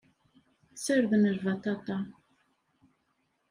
Ssarden lbaṭaṭa.